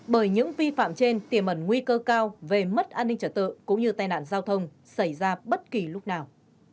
bởi những vi phạm trên tiềm ẩn nguy cơ cao về mất an ninh trả tự cũng như tai nạn giao thông xảy ra bất kỳ lúc nào